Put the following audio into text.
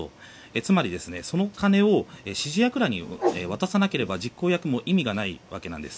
つまり、その金を指示役らに渡さなければ実行役も意味がないわけです。